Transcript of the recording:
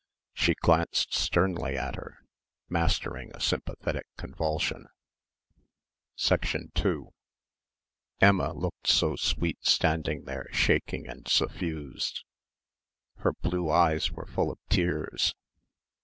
She glanced sternly at her, mastering a sympathetic convulsion. 2 Emma looked so sweet standing there shaking and suffused. Her blue eyes were full of tears.